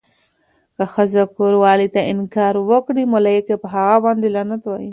که ښځه کوروالې ته انکار وکړي، ملايکه هغه باندې لعنت وایی.